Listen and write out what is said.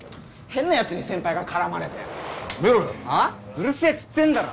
うるせえっつってんだろ！